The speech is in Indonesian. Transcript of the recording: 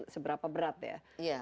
seberapa berat ya